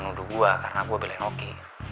nuduh gue karena gue belain oki